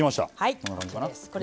こんな感じかな。